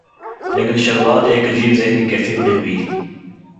لیکن شروعات ایک عجیب ذہنی کیفیت میں ہوئی۔